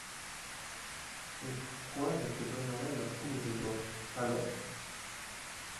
Et pourquoi je te donnerais la poule aux œufs d’or, alors ?